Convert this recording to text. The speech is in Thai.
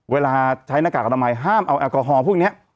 เวลาใช้หน้ากากอนามัยห้ามเอาแอลกอฮอลพวกนี้